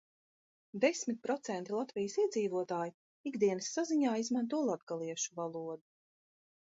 Desmit procenti Latvijas iedzīvotāju ikdienas saziņā izmanto latgaliešu valodu.